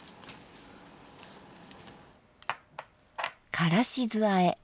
「からし酢あえ」。